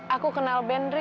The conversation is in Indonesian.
aku kenal ben ri